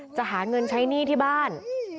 จะหาเงินใช้หนี้ที่บ้าน